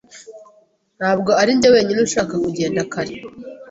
Ntabwo arinjye wenyine ushaka kugenda kare.